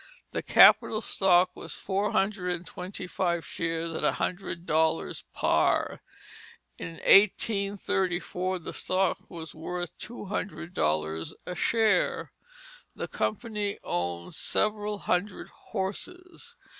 The capital stock was four hundred and twenty five shares at a hundred dollars par. In 1834 the stock was worth two hundred dollars a share. The company owned several hundred horses.